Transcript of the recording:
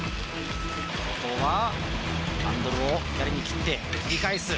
ここはハンドルを左に切って切り返す